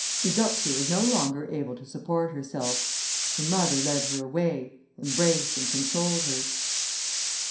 Eudoxia was no longer able to support herself; her mother led her away, embraced and consoled her.